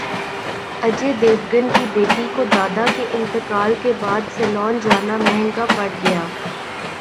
اجے دیوگن کی بیٹی کو دادا کے انتقال کے بعد سیلون جانا مہنگا پڑ گیا